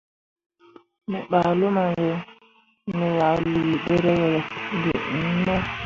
Me ɓah luma be, me ah lii ɗerewol gi iŋ mo.